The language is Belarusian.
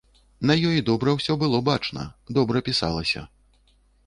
На ёй добра ўсё было бачна, добра пісалася.